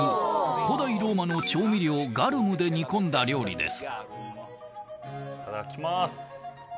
古代ローマの調味料ガルムで煮込んだ料理です